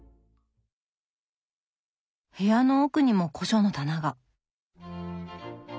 部屋の奥にも古書の棚が。